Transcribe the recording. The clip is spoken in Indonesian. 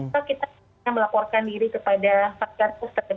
apabila kita melakukan isolasi mandiri setelah menerima hasil pcr positif atau antigen